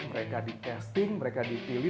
mereka di casting mereka dipilih